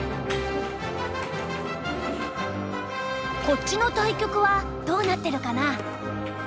こっちの対局はどうなってるかな？